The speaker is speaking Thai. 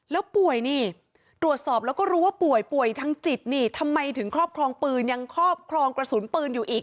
แล้วป่วยนี่ตรวจสอบแล้วก็รู้ว่าป่วยป่วยทางจิตนี่ทำไมถึงครอบครองปืนยังครอบครองกระสุนปืนอยู่อีก